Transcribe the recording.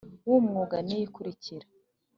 w umwuga ni iyi ikurikira